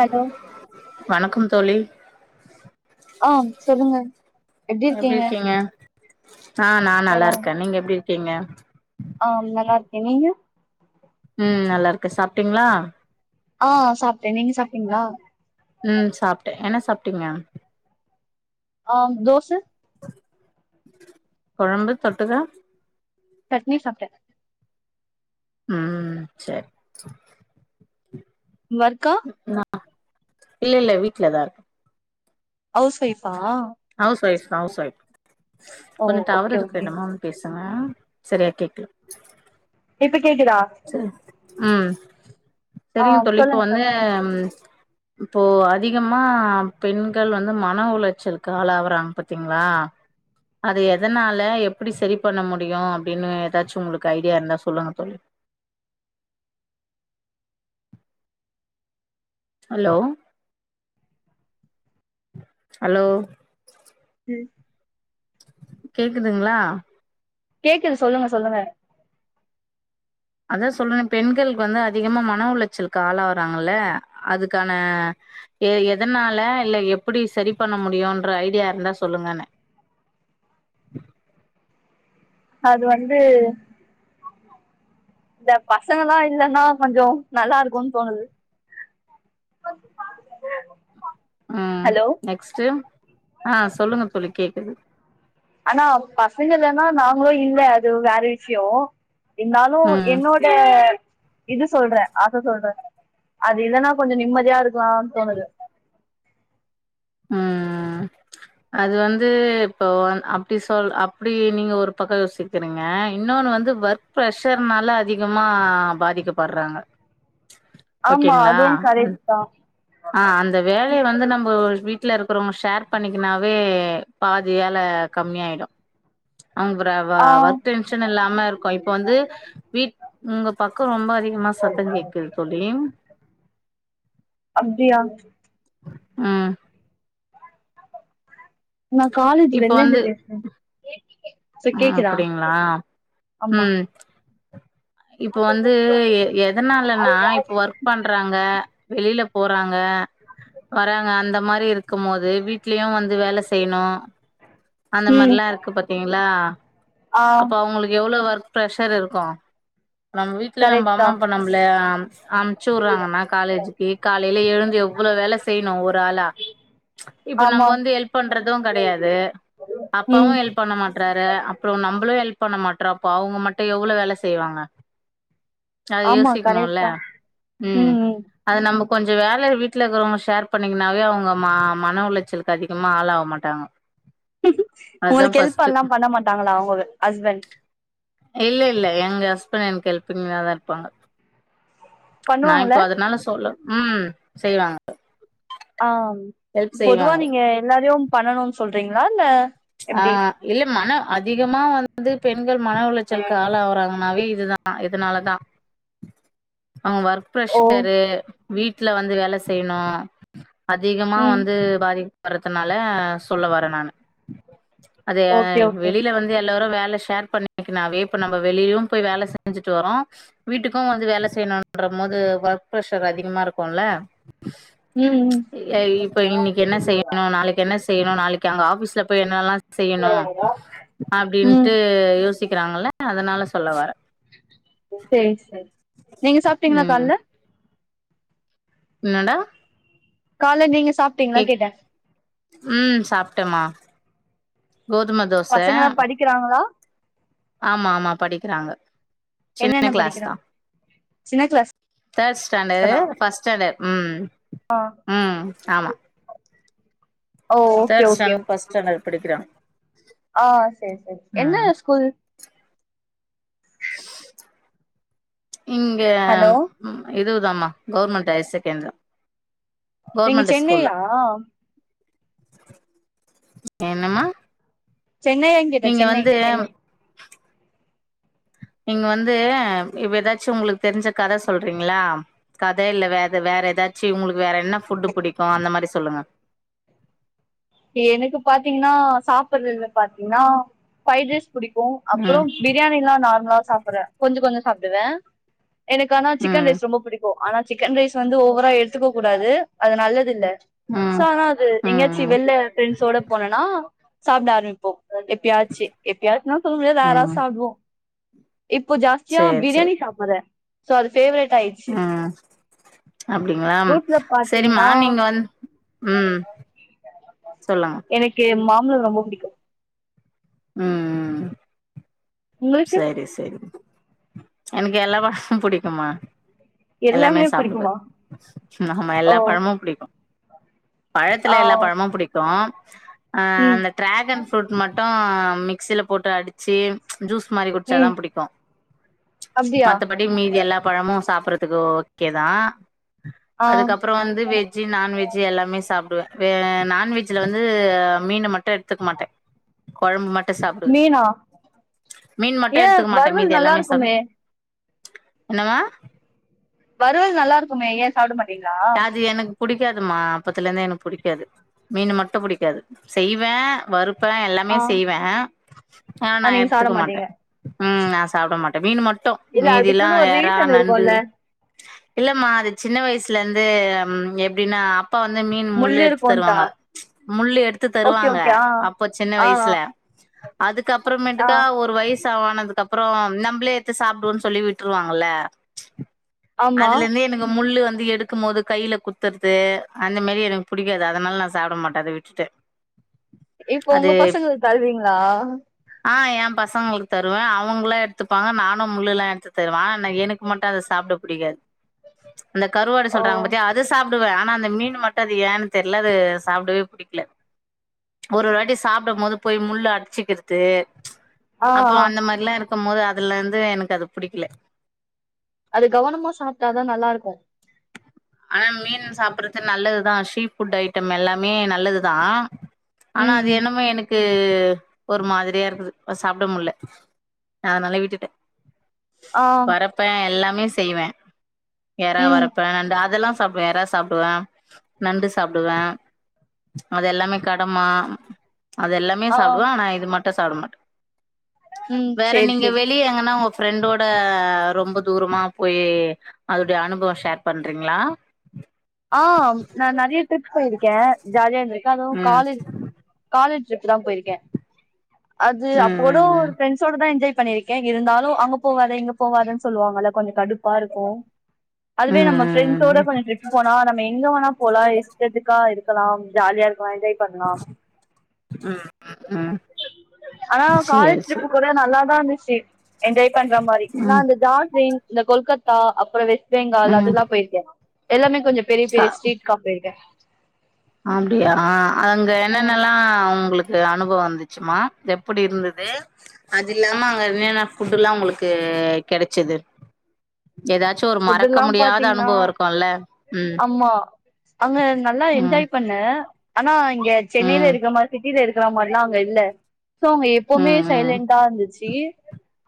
hello வணக்கம் தோழி ஆ சொல்லுங்க எப்படி இருக்கீங்க ஆ நா நல்லா இருக்கே நீங்க எப்படி இருக்கீங்க ஆ நல்லா இருக்கே நீங்க ம் நல்லா இருக்க சாப்ட்டீங்களா ஆ சாப்ட்டே நீங்க சாப்ட்டீங்களா ம் சாப்ட்டே என்ன சாப்ட்டீங்க ஆ தோச கொழம்பு தொட்டுக்க சட்னி சாப்ட்டே ம் சேர் சரி வொர்க்கா நா இல்ல இல்ல வீட்லதா இருக் ஹவுஸ் ஒய்ஃபா ஹவுஸ் ஒய்ஃப் ஹவுஸ் ஒய்ஃப் ஓ கொஞ்ச டவர் ஓகே இருக்குற ஓகே இடமா பேசுங்க சரியா கேக்கல இப்ப கேக்குதா சரி ம் ஆ சரிங்க தோழி இப்ப சொல்லுங்க வந்து சொல்லுங்க இப்போ அதிகமா பெண்கள் வந்து மன உளச்சலுக்கு ஆளாவறாங்க பாத்தீங்களா அது எதனால எப்டி சரி பண்ண முடியு அப்பிடின்னு ஏதாச்சு உங்குளுக்கு ஐடியா இருந்தா சொல்லுங்க தோழி ஹலோ ஹலோ ம் கேக்குதுங்களா கேக்குது சொல்லுங்க சொல்லுங்க அதா சொல்றே பெண்களுக்கு வந்து அதிகமா மன உளச்சலுக்கு ஆளாவறாங்கல்ல அதுக்கான எ எதனால இல்ல எப்பிடி சரி பண்ண முடியும்ன்ற ஐடியா இருந்தா சொல்லுங்கனே அது வந்து இந்த பசங்கல்லா இல்லன்னா கொஞ்சோ நல்லா இருக்குன் தோணுது கொஞ்சோ பாத் ம் நெக்ஸ்ட்டு ஆ சொல்லுங்க தோழி கேக்குது ஆனா பசங்க இல்லன்னா நாங்களு இல்ல அது வேற விஷியோ இருந்தாலு ம் என்னோட இது சொல்றே அத சொல்றே அது இல்லன்னா கொஞ்சோ நிம்மதியா இருக்கலா தோணுது ம் ம் ம் அது வந்து இப்போ அப்பிடி சொல் அப்பிடி நீங்க ஒரு பக்க யோசிக்கிறீங்க இன்னொன்னு வந்து ஓர்க் பிர்ஷர்னால அதிகமா பாதிக்கப்பட்றாங்க ஆமா ஓகேங்களா அதுவு கரெக்ட் தா ஆ அந்த வேலைய வந்து நம்ப ஒரு வீட் வீட்ல இருக்குறவுங்க ஷேர் பண்ணிக்கனாவே பாதி வேல கம்மியாயிடு அவங்கூட ஆ ஒர்க் டென்ஷன் இல்லாம இருக்கு இப்ப வந்து வீட் உங்க பக்கோ ரொம்ப அதிகமா சத்தோ கேக்குது தோழி அப்டியா ம் நா காலேஜ் வெள்லந்து பேசுறே சோ ஆ கேக்குதா அப்டிங்களா ஆமா ம் இப்ப வந்து எ எதனாலன்னா இப்ப ஒர்க் பண்றாங்க வெளில போறாங்க வர்றாங்க அந்த மாரி இருக்கும் போது வீட்லயு வந்து வேல செய்யணு அந்த ம் மாரிலா இருக்கு பாத்தீங்களா ஆ அப்ப அவுங்களுக்கு எவ்ளோ ஒர்க் ப்ரஷர் இருக்கு நம்ம வீட்ல நம்ம கரெக்ட் தா அம்மா அப்பா நம்ள அம்ச்சு விடுறாங்கன்னா காலேஜுக்கு காலேல எழுந்து எவ்ளோ வேலை செய்யணு ஒரு ஆளா இப்ப நம்ப ஆமா வந்து ஹெல்ப் பண்றது கெடையாது அப்பாவு ம் ஹெல்ப் பண்ண மாட்டறாரு அப்பறோ நம்பளு ஹெல்ப் பண்ண மாட்றோ அப்போ அவுங்க மட்டு எவ்ளோ வேல செய்வாங்க அத ஆமா கரெக்ட் யோசிக்கணுல்ல தா ம் அது நம்ப கொஞ்ச வேலய வீட்ல இருக்குறவுங்க ஷேர் பண்ணீங்கன்னாவே அவுங்க மன உளைச்சலுக் அதிகமா ஆளாக மாட்டாங்க அதுதா உங்களுக்கு ஹெல்ப் ஃபஸ்ட்டு எல்லா பண்ண மாட்டாங்களா உங்க ஹஸ்பண்ட் இல்ல இல்ல எங்க ஹஸ்பண்ட் எனக்கு ஹெல்ப்பிங்காதா இருப்பாங்க நா பண்ணுவாங்கள இப்போ அதனால சொல்ல ம் செய்வாங்க ஆ ஹெல்ப் பொதுவா செய்வாங்க நீங்க எல்லாரையு பண்ணணுன்னு சொல்றீங்களா இல்ல ஆ எப்டி இல்ல மனம் அதிகமா வந் து பெண்கள் மன உளைச்சலுக்கு ஆளவுறாங்கன்னாவே இதுதா இதனாலதா அவுங்க ஒர்க் ஓ ப்ரஷரு வீட்ல வந்து வேலை செய்யணு அதிகமா ம் வந்து பாதிக்கப்படுறதுனால சொல்ல வர்றே நானு அதே ஓகே ஓகே வெளில வந்து எல்லாரு வேல ஷேர் பண்ணிக்குன்னாவே இப்ப நம்ம வெளிலயு போய் வேல செஞ்சிட்டு வர்றோ வீட்டுக்கு வந்து வேலை செய்யணுன்றம் போது ஒர்க் ப்ரஷர் அதிகமா இருக்குல்ல ம் ம் ஏ இப்ப இன்னக்கி என்ன செய்யணு நாளைக்கி என்ன செய்யணு நாளைக்கு அங்க ஆபீஸ்ல போய் என்னெல்லா செய்யணு ம் அப்டின்ட்டு யோ சிக்கிறாங்கல்ல அதனால சொல்ல வர்றே சேரி சேரி நீங்க சாப்டீங்களா ம் கால்ல என்னடா கால்ல நீங்க சாப்ட்டீங்களா கேக் கேட்டே ம் சாப்டேமா கோதும தோ பசங்கல்லா படிக்கிறாங்களா ஆமா ஆமா படிக்கிறாங்க சின்ன என்னென்ன கிளாஸ் தா படிக்கிறாங்க சின்ன கிளாஸ் தேர்ட் தானா ஸ்டாண்டர்டு ஃபர்ஸ்ட் ஸ்டாண்டர்ட் ம் ம் ஆமா ஓ okay third okay standard first standard படிக்கிறாங்க ஆ சேரி சேரி என்ன ஸ்கூல் இங்க ஹலோ ம் இது தாமா கவர்மெண்ட் ஹயர் செகண்டரி தா நீங்க கவர்மெண்ட் ஸ்கூல்தா சென்னையா என்னம்மா சென்னையான்னு கேட்டே நீங்க சென்னை வந்து சென்னை நீங்க வந்து இப்ப எதாச்சு உங்களுக்கு தெரிஞ்ச கத சொல்றீங்களா கத இல்ல வேற வேற ஏதாச்சு உங்களுக்கு வேற என்ன ஃபுட் புடிக்கு அந்த மாரி சொல்லுங்க எனக்கு பாத்தீங்கன்னா சாப்புட்றதுல பாத்தீங்கன்னா ஃப்ரைடு ரைஸ் புடிக்கு அப்பறோ ம் பிரியாணிலா நார்மலா சாப்புட்ற கொஞ்ச கொஞ்சோ சாப்டுவே எனக்கு ஆனா சிக்கன் ம் ரைஸ் ரொம்ப புடிக்கு ஆனா சிக்கன் ரைஸ் வந்து ஓவரா எடுத்துக்க கூடாது அது நல்லது இல்ல சோ ம் ஆனா அது ம் எங்கயாச்சு ம் வெள்ல ஃபிரண்ட்ஸ்ஸோட போனன்னா சாப்ட ஆரம்பிப்போ எப் எப்பியாச்சு எப்பயாச்சுனுலா சொல்ல முடியாது ரேரா ம் சாப்டுவோ இப்போ ஜாஸ்தியா சேரி சேரி பிரியாணி சாப்புட்றே சோ அது பேவ்ரேட் ஆயிச் ம் அப்டிங்களா ஃப்ரூட்ஸ்ல சேரி பாத்தீங்கன்னா மார்னிங் வந் ம் சொல்லுங்க எனக்கு மாம்பழோ ரொம்ப புடிக்கு ம் ம் உங்களுக்கு செரி செரி எனக்கு எல்லா பழமு புடிக்கும்மா எல்லாமே சாப்பிடுவ ம் ஆமா ஓ எல்லா பழமு புடிக்கு ஆ பழத்துல எல்லா பழமு புடிக்கு அ ம் அந்த ட்ராகன் ஃப்ரூட் மட்டு மிக்சில போட்டு அடிச்சி ஜூஸ் மாரி குடிச்சாதா ம் புடிக்கு அப்டியா மத்தப டி மீதி எல்லா பழமு சாப்பட்றதுக்கு ஓகேதா ஆ அதுக்கப்பறோ வந்து வெஜ் ஜீ நான்வெஜ்ஜீ எல்லாமே சாப்பிடுவே வெ நான்வெஜ்ல வந்து மீனை மட்டு எடுத்துக்க மாட்டே கொழம்பு மட் மீனா மீன் மட்டு ஏ எடுத்துக்க வறுவல் நல்லா இருக்குமே என்னம்மா வறுவல் நல்லா இருக்குமே, ஏ சாப்டமாட்டீங்ளா அது எனக் புடிக்காதுமா அப்பத்துலந்து எனக்கு புடிக்காது மீன் மட்டு புடிக்காது செய்வே வறு ப்ப எல்லாமே ஆ செய்வ ஆனா நா ஆ நீங்க சாப்ட எத்துக்க மாட்டே மாட்டீங்க ம் நா சாப்ட மாட்ட மீன் மட்டு இல்ல மீதில்லா அதுக்குன்னு ஒரு எறா ரீசன் நண்டு இருக்குல்ல இல்லம்மா அது சின்ன வயசுல இருந்து எப்டின்னா அப்பா வந்து மீன் முள்ளு எடுத்து தருவாங்க முள்ளு எடுத்து ஓகே தருவாங்க ஓகே ஆ அப்போ சின்ன ஆ வயசுல ஆ அதுக்கப்புறமேட்டுதா ஒரு வயசா னதுக்கு அப்றோ நம்மளே எடுத்து சாப்டுவோன்னு சொல்லி விட்டுருவாங்கல ஆமா அதுல இருந்து எனக்கு முள்ளு வந்து எடு க்கும் போது கையில குத்துறது அந்த மேரி எனக்கு புடிக்காது அதனால நா சாப்ட மாட்டே அத விட்டுட்ட இப்ப உங்க பசங்களுக்கு தருவீங்ளா ஆ எ பசங்களுக்கு தருவே அவங்கல்லா எடுத்துப்பாங்க நானு முள்ளுல்லா எடுத்து தருவ ஆனா எனக்கு மட்டு அத சாப்ட புடிக்காது அந்த கருவாடு ஓ சொல்றாங்க பத்தியா அது சாப் டுவ ஆனா அந்த மீனு மட்டும் அது ஏன்னு தெரில அது சாப்டவே புடிக்கல ஒரு ஒரு வாட்டி சாப்டும் போது போய் முள்ளு அடச்சுக்கிறது ஆ அப்போ ஆ அந்த மாரில்லா இருக்கும்போது அதுல இருந்து எனக்கு அது புடிக்கல அது கவனமா சாப்ட்டாதா நல்லாருக்கு ஆனா மீன் சாப்பட்றது நல்லதுதா சீ ஃபுட் ஐட்டம் எல்லாமே நல்லதுதா ஆனா ம் அது ம் என்னமோ எனக் து ஒரு மாதிரியா இருக்குது சாப்ட முடில அதனால விட்டுட்டே ஆ வறுப்பே எல்லாமே செய்வே எறா ம் வறுப்பே நண்டு அ அதெல்லா சாப்டுவே எறா சாப்டுவே நண்டு சாப்டுவே அதெல்லாமே கடமா அதெல்லாமே ஆ சாப்டுவ ஆனா இது மட்டு சாப்ட மாட்ட ம் வேற சேரி நீங்க வெளி சேரி வெளிய எங்கன்னா உங்க ஃப்ரெண்டோட ரொம்ப தூரமா போய் அதோடைய அனுபவ ஷேர் பண்றீங் ங்ளா ஆ நா நெறய ட்ரிப் போயிருக்கே ஜாலியா இருந்திருக அது ம் காலேஜ் காலேஜ் ட்ரிப் தா போயிருக்கே அது ம் அப்போலோ ம் ஒரு ஃப்ரெண்ட் ப்ரண்ஸ் வோட தா எஞ்சாய் பண்ணிருக்கே இருந்தாலு அங்க போவாத இங்க போவாதன்னு சொல்லுவாங்கல்ல கொஞ்சோ கடுப்பா இருக்கு ம் ம் அதுவே நம்ம ம் ஃப்ரண்ட்ஸோட ம் கொஞ்சோ ட்ரிப் போனா நம்ம எங்க வேனா போலா இஷ்டத்துக்கா இருக்கலா ஜாலியா இருக்கலா எஞ்சாய் பண்லா ம் ம் ம் ஆனா சேரி காலேஜ் ட்ரிப்பு சேரி கூட நல்ல தா இருந்துச்சி என்ஜாய் பண்ற மாரி நா ம் இந்த ஜார்ஜ்லின் இந்த கொல்கத்தா அப்புற வெஸ் பெங்கால் ம் அதெல்லா போயிருக்கே எல்லாமே கொஞ்சோ பெரிய சா பெரிய ஸ்ட்ரீட்கா போயிருக்கே அப்டியா அங்க ம் என்னென்னல்லா உங்களுக் அனுபவம் இருந்துச்சுமா எப்டி இருந்தது அது இல்லாம அங்க என்னென்ன ஃபுட்டுல்லா உங்களுக்கு கெடச்சது ஏதாச்சு ஒரு மறக்க ஃபுட்டெல்லா முடியாத பாத்தீங்கன்னா அனுபவ இருக்கும்ல ம் ஆமா அங்க நல்லா ம் என்ஜாய் பண்ணே ஆனா இங்க சென்னையில ம் இருக்கமா சிட்டியில இருக்க இருக்கிற மாறி எல்லா அங்க இல்ல சோ அங்க எப்பவுமே ம் ம் சைலண்டடா இருந்துச்சு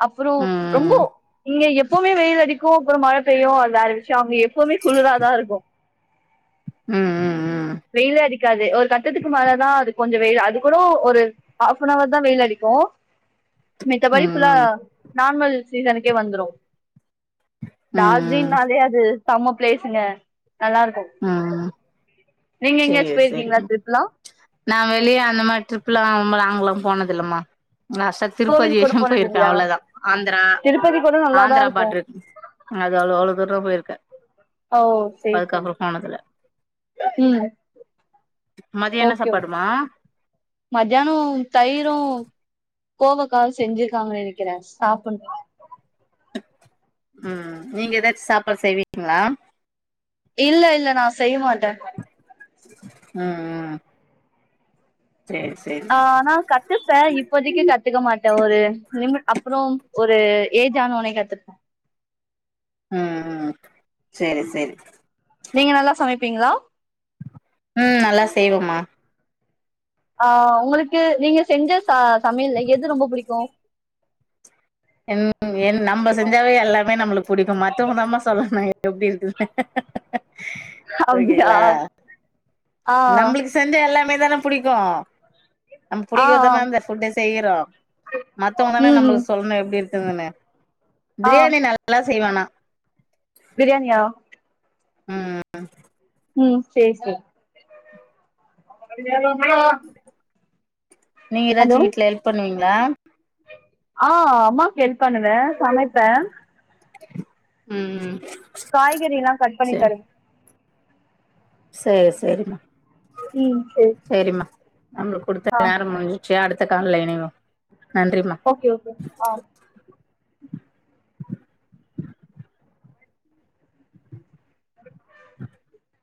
அப்றம் ரொம்ப ம் நீங்க எப்பவுமே வெயில் அடிக்கு அப்றோ மழை பெய்யு அது வேற விஷய அவங்க எப்வுமே குளிரா தா இருக்கு ம் ம் வெயிலே அடிக்க க்காது ஒரு கட்டத்துக்கு மேலதா அது கொஞ்சோ வெயில் அது கூட ஒரு ஹாஃப் அவர் தா வெயில் அடிக்கு ம் மித்தபடி ஃபுல்ல ம் நார்மல் சீசனுக்கே வந்துரு ம் டார்ஜிலிங்னாலே அது சேம்ம பிளேஸுங்க நல்லா இருக்கு ம் நீங்க எங்கயாச்சு சேரி போயிருக்கீங்களா சேரிமா டிரிப்லா நா வெளியே அந்த மாறி ட்ரிப்லா லாங்க்லா போனதில்லமா திருப்பதி கோவில் கூட எல்லா போனது போயிருக்கே இல்லையா அவ்ளோதா ஆந்திரா திருப்பதி கூட நல்லாதான் ஆந்திரா இருக்கும் பாடருகு அது‌அவ்ளோ அவ்ளோ தூர போயிருக்க ஓ சேரி அதுக்கப்புறோ போனதுல ஹம் மதியோ என்ன ஓகே ஓகே சாப்பாடுமா மத்தியான தயிரு கோவக்க செஞ்சிருக்காங்கனு நெனக்கிறே சாப்பனு ம் நீங்க ஏதாச்சு சாப்பாடு செய்வீங்களா இல்ல இல்ல நா செய்ய மாட்டே ம் ம் சேரி சே ஆ நா கட் இல்லத்த இப்போதைக்கு கத்துக்க மாட்டே ஒரு லிமிட் அப்பறோ ஒரு ஏஜ் ஆன உனே கத்துப்பே ஆ ஆ சேரி சேரி நீங்க நல்லா சமப்பீங்களா ம் நல்லா செய்வேமா ஆஹ் உங்களுக்கு நீங்க செஞ்ச ச சமயல்ல எது ரொம்ப புடிக்கு என் என் நம்ம செஞ்சாவே எல்லாமே நம்மளுக்கு புடிக்கும மத்தவமதமா சொல்லனு எப்டி இருக்குனு அப்டியா ஆஹ் நம்மளுக்கு செஞ்ச எல்லாமே தானே புடிக்கு நம்ம ஆ புடிக்கதானே அந்த ஃபுட்ட செய்யிறோ மத்தவங்க தானே ம் நம்ம ம் சொல்லணு எப்டி இருக்குதுன்னு ஆ பிரியாணி நல்லா செய்வே ஆனா பிரியாணியா அ அ ம் சே சே நீங்க ஏதாச்சு வீட்ல ஹெல்ப் பண்ணுவீங்ளா ஆ அம்மாக் ஹெல்ப் பண்ணுவே சமைப்பே ம் காய்கறிலா கட் பண்ணி தரு சே சேரிம்மா ம் சேரி சேரிம்மா நம்ளுக்கு ஆ குடுத்த நேரம் முடிஞ்சிடுச்சு அடுத்த கால்ல இணைவோ நன்றிம்மா ஓகே ஓகே ஆ